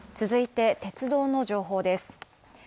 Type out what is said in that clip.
続いて、鉄道の情報です。